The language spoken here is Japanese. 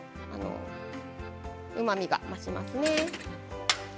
うまみが増しますね。